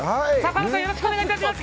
川野さん、よろしくお願いします。